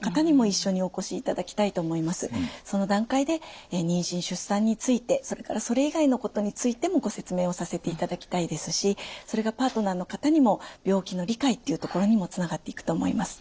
その段階で妊娠・出産についてそれからそれ以外のことについてもご説明をさせていただきたいですしそれがパートナーの方にも病気の理解っていうところにもつながっていくと思います。